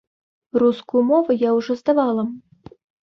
Рускую мову я ўжо здавала.